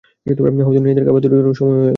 হয়তো নিজেদের খাবার তৈরিরও সময় হয়েছে।